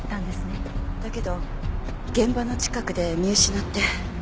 だけど現場の近くで見失って。